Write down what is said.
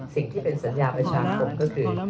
สิ่งที่เป็นสัญญาประชาคมก็คือ